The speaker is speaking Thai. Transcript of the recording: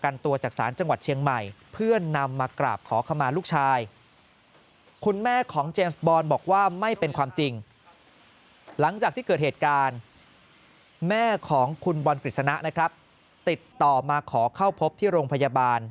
แม่ของขุมันลิสานะนะครับ